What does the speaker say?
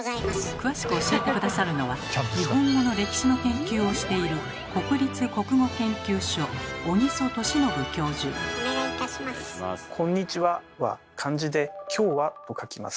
詳しく教えて下さるのは日本語の歴史の研究をしている「こんにちは」は漢字で「今日は」と書きます。